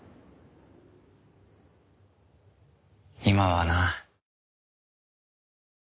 今はな。